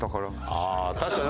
ああ確かに。